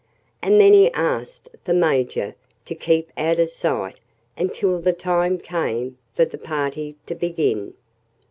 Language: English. And then he asked the Major to keep out of sight until the time came for the party to begin.